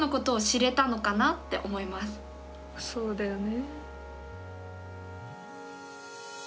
そうだよね。